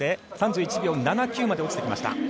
３１秒７９まで落ちてきました。